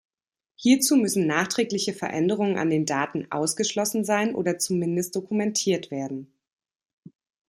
Hierzu müssen nachträgliche Veränderungen an den Daten ausgeschlossen sein oder zumindest dokumentiert werden.